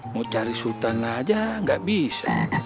mau cari sultan aja gak bisa